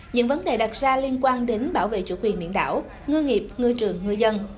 những vấn đề đặt ra liên quan đến bảo vệ chủ quyền biển đảo ngư nghiệp ngư trường ngư dân